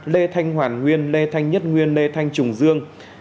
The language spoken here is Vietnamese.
lê thanh hoàn huyên lê thanh nhất nguyên lê thanh tùng dương